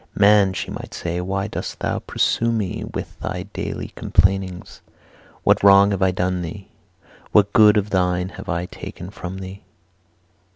"Man," she might say, "why dost thou pursue me with thy daily complainings? What wrong have I done thee? What goods of thine have I taken from thee?